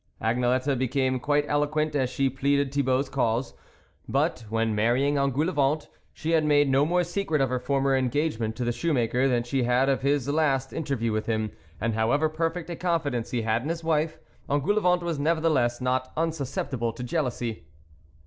Agnelette be came quite eloquent as she pleaded Thibault's cause. But, when marrying Engoulevent, she had made no more secret of her former engagement to the shoe maker than she had of this last inter view with him, and however perfect a confidence he had in his wife, Engoulevent was nevertheless not unsusceptible to jealousy.